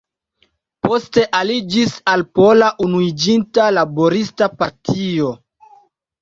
Poste aliĝis al Pola Unuiĝinta Laborista Partio.